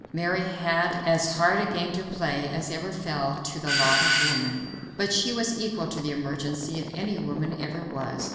Mary had as hard a game to play as ever fell to the lot of woman, but she was equal to the emergency if any woman ever was.